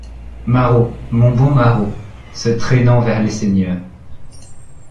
Marot! mon bon Marot !— Se traînant vers les seigneurs.